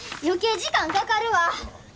余計時間かかるわ！